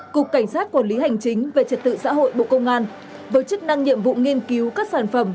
cục cảnh sát quản lý hành chính về trật tự xã hội bộ công an với chức năng nhiệm vụ nghiên cứu các sản phẩm